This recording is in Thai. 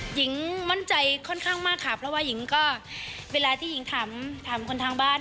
หญิงมั่นใจค่อนข้างมากค่ะเพราะว่าหญิงก็เวลาที่หญิงถามคนทางบ้าน